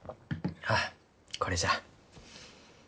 あこれじゃ。